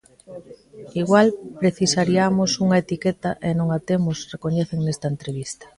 Igual precisariamos unha etiqueta e non a temos recoñecen nesta entrevista.